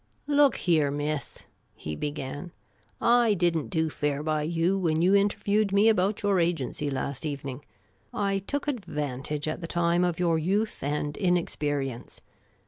" Look here, miss," he began ;" I did n't do fair by you when you interviewed me about your agency last evening. I took advantage, «/ the time, <?/" your youth and inexperience.